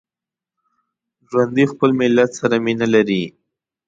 ژوندي خپل ملت سره مینه لري